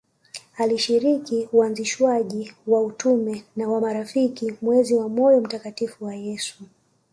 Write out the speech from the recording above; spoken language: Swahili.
Alishiriki uanzishwaji wa utume wa marafiki mwezi wa moyo mtakatifu wa Yesu